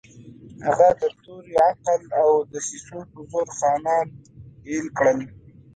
هغه د تورې، عقل او دسیسو په زور خانان اېل کړل.